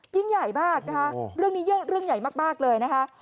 ยิ่งใหญ่มากนะคะเรื่องนี้เรื่องใหญ่มากเลยนะคะ